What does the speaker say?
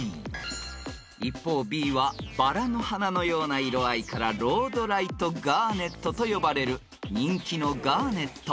［一方Ｂはバラの花のような色合いからロードライトガーネットと呼ばれる人気の］